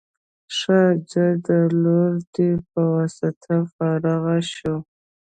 ښه ځه دا لور دې په واسطو فارغه شو.